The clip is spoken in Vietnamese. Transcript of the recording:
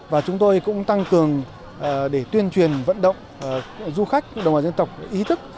và chúng tôi cũng tăng cường để tuyên truyền vận động du khách đồng bào dân tộc ý thức